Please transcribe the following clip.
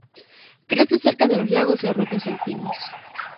Crece cerca de los lagos y arroyos alpinos.